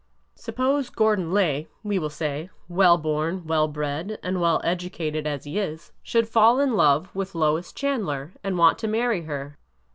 Suppose Gordon Lay, we will say, well born, well bred, and well educated as he is, should fall in love with Lois Chandler and want to marry her.